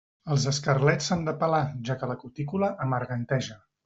Els escarlets s'han de pelar, ja que la cutícula amarganteja.